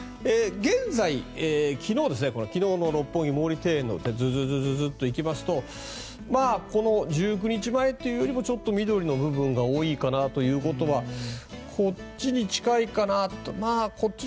現在、昨日の六本木の毛利庭園ずずずっと行きますとこの１９日前というよりもちょっと緑の部分が多いかなということはこっちに近いかなと。